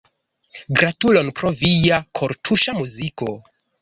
Gratulon pro via kortuŝa muziko.